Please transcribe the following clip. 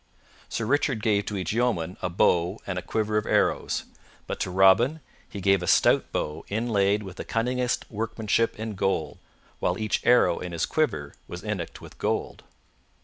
Sir Richard gave to each yeoman a bow and a quiver of arrows, but to Robin he gave a stout bow inlaid with the cunningest workmanship in gold, while each arrow in his quiver was innocked with gold.